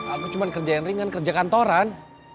aku cuma kerja yang ringan kerja kantoran